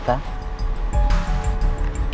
tak perlu guepi